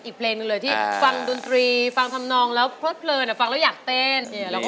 อีกเพลงหนึ่งเลยที่ฟังดนตรีฟังทำนองแล้วเพลิดเพลินฟังแล้วอยากเต้น